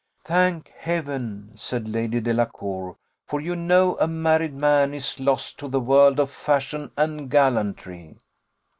"Thank Heaven!" said Lady Delacour; "for you know a married man is lost to the world of fashion and gallantry."